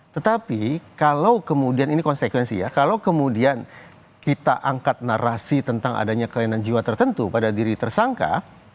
tetapi kalau kemudian ini konsekuensi ya kalau kemudian kita angkat narasi tentang adanya kelainan jiwa tertentu pada diri tersangka